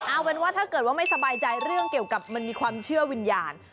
เอาเป็นว่าถ้าเกิดว่าไม่สบายใจเรื่องเกี่ยวกับมันมีความเชื่อวิญญาณ